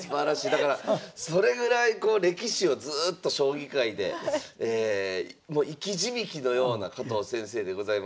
だからそれぐらいこう歴史をずっと将棋界で生き字引のような加藤先生でございますが。